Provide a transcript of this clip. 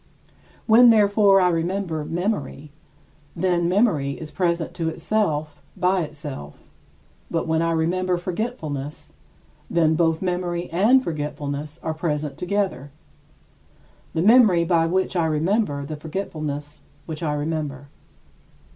When, therefore, I remember memory, then memory is present to itself by itself, but when I remember forgetfulness then both memory and forgetfulness are present together the memory by which I remember the forgetfulness which I remember.